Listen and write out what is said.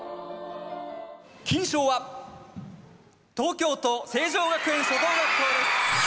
金賞は東京都成城学園初等学校です。